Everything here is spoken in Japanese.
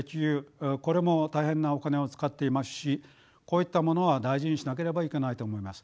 これも大変なお金を使っていますしこういったものは大事にしなければいけないと思います。